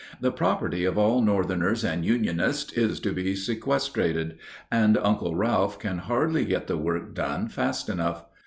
The property of all Northerners and Unionists is to be sequestrated, and Uncle Ralph can hardly get the work done fast enough.